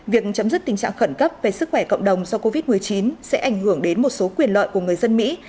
việc chấm dứt tình trạng khẩn cấp về sức khỏe cộng đồng do covid một mươi chín sẽ ảnh hưởng đến một số quyền lợi của người dân mỹ